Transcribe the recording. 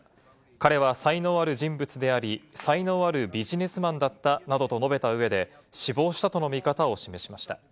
彼は才能ある人物であり、才能あるビジネスマンだったなどと述べた上で、死亡したとの見方を示しました。